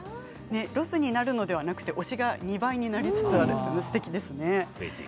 ロスになるのではなく推しが２倍になりつつあるというのはすてきですね。